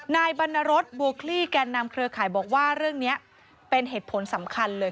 นายบรรณรสบัวคลี่แก่นนำเครือข่ายบอกว่าเรื่องนี้เป็นเหตุผลสำคัญเลย